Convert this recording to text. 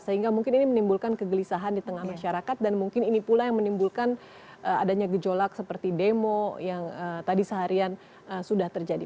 sehingga mungkin ini menimbulkan kegelisahan di tengah masyarakat dan mungkin ini pula yang menimbulkan adanya gejolak seperti demo yang tadi seharian sudah terjadi